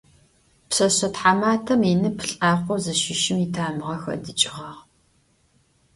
Пшъэшъэ тхьаматэм инып лӏакъоу зыщыщым итамыгъэ хэдыкӏыгъагъ.